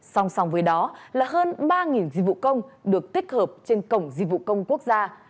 song song với đó là hơn ba dịch vụ công được tích hợp trên cổng dịch vụ công quốc gia